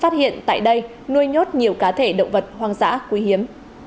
phát hiện tại đây nuôi nhốt nhiều cá thể động vật hoang dã quý hiếm